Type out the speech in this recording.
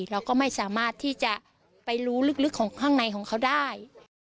เราก็ไม่สามารถที่จะไปรู้ลึกของข้างในของเขาได้